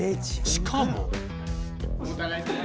しかも